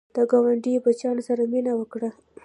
د ګاونډي بچیانو سره مینه وکړه